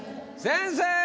先生！